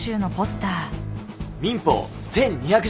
民法１２００条は？